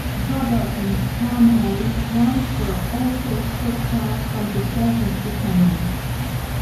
Rubber and palm oil once were also shipped out of the Port Of Buchanan.